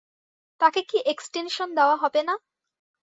তাঁকে কি এক্সটেনশন দেয়া হবে না?